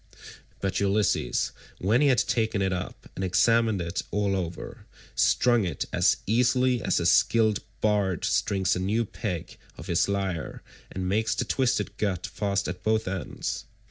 But Ulysses, when he had taken it up and examined it all over, strung it as easily as a skilled bard strings a new peg of his lyre and makes the twisted gut fast at both ends.